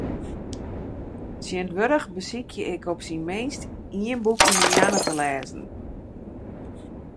Tsjintwurdich besykje ik op syn minst ien boek yn ’e moanne te lêzen.